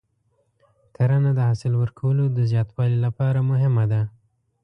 کرنه د حاصل ورکولو د زیاتوالي لپاره مهمه ده.